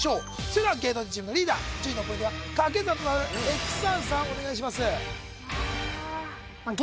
それでは芸能人チームのリーダー順位のポイントがかけ算となるＸアンサーお願いしますああ